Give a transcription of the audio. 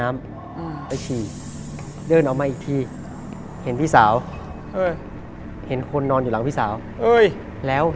แล้วเห็นตัวเองนอนอยู่หน้าพี่สาว